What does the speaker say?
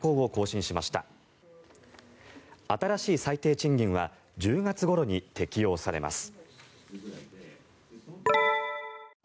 新しい最低賃金は１０月ごろに適用されます。